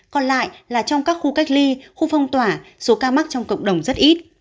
còn lại là trong các khu cách ly khu phong tỏa số ca mắc trong cộng đồng rất ít